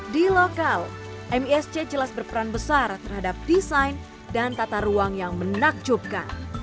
di lokal misc jelas berperan besar terhadap desain dan tata ruang yang menakjubkan